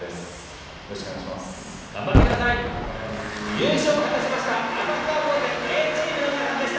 優勝を果たしました旭川高専Ａチームの皆さんでした。